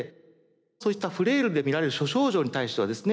そういったフレイルで見られる諸症状に対してはですね